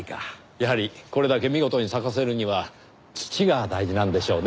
やはりこれだけ見事に咲かせるには土が大事なんでしょうね。